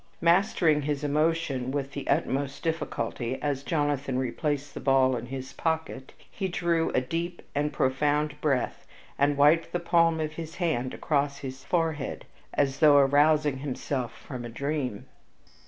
Mastering his emotion with the utmost difficulty as Jonathan replaced the ball in his pocket, he drew a deep and profound breath and wiped the palm of his hand across his forehead as though arousing himself from a dream.